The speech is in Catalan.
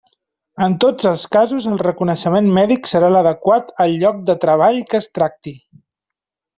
En tots els casos el reconeixement mèdic serà l'adequat al lloc de treball que es tracti.